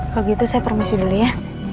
kalau gitu saya permisi dulu ya